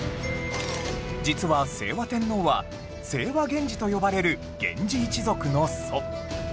実は清和天皇は清和源氏と呼ばれる源氏一族の祖